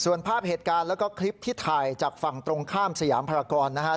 ส่วนภาพเหตุการณ์แล้วก็คลิปที่ถ่ายจากฝั่งตรงข้ามสยามพรากรนะครับ